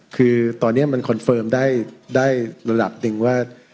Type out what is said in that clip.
คือตอนนี้มันคอนเฟิร์มได้ระดับหนึ่งว่า